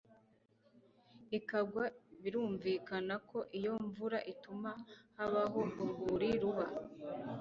ikagwa Birumvikana ko iyo mvura ituma habaho urwuri ruba